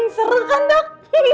seru kan dok